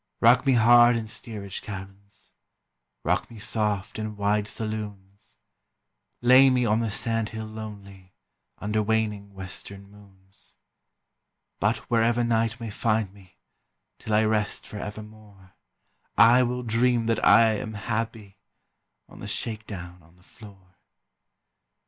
Rock me hard in steerage cabins, Rock me soft in wide saloons, Lay me on the sand hill lonely Under waning western moons; But wherever night may find me Till I rest for evermore I will dream that I am happy On the shake down on the floor.